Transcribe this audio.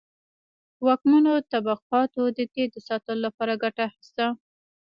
واکمنو طبقاتو د دې د ساتلو لپاره ګټه اخیسته.